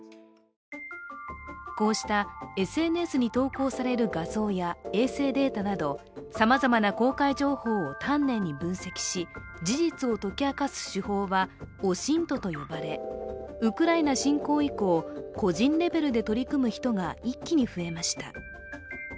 こうしたＳＮＳに投稿される画像や衛星データなど、さまざまな公開情報を丹念に分析し事実を解き明かす手法はＯＳＩＮＴと呼ばれウクライナ侵攻以降、個人レベルで取り組む人が一気に増えました。